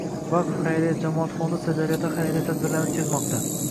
“Vaqf” xayriya jamoat fondi Sirdaryoda xayriya tadbirlari o‘tkazmoqda